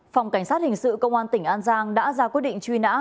phòng cảnh sát hình sự công an tỉnh an giang đã ra quyết định truy nã